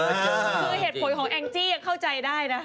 คือเหตุผลของแองจี้ยังเข้าใจได้นะ